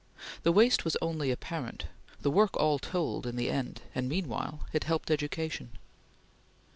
The waste was only apparent; the work all told in the end, and meanwhile it helped education.